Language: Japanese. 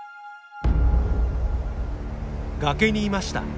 崖にいました。